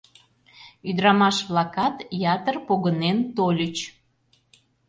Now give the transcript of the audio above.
Ӱдырамаш-влакат ятыр погынен тольыч.